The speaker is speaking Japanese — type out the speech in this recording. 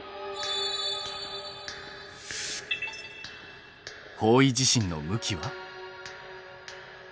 方位磁針の向きは？